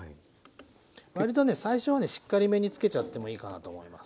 割とね最初はねしっかりめにつけちゃってもいいかなと思います。